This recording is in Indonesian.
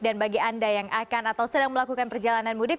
dan bagi anda yang akan atau sedang melakukan perjalanan mudik